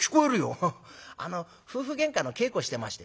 「あの夫婦げんかの稽古してまして」。